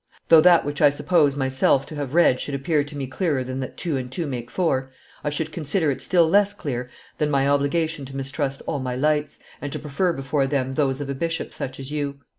Though that which I suppose myself to have read should appear to me clearer than that two and two make four, I should consider it still less clear than my obligation to mistrust all my lights, and to prefer before them those of a bishop such as you.